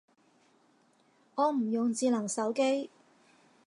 我唔用智能手機